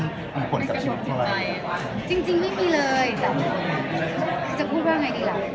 คือจะพูดว่า